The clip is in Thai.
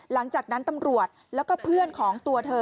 หลังจากนั้นตำรวจแล้วก็เพื่อนของตัวเธอ